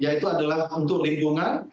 ya itu adalah untuk lingkungan